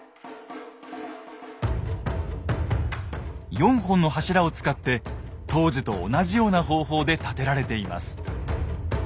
４本の柱を使って当時と同じような方法で建てられています。